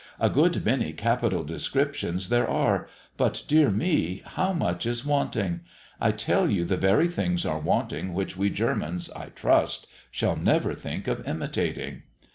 A good many capital descriptions there are; but, dear me, how much is wanting! I tell you the very things are wanting which we Germans, I trust, shall never think of imitating.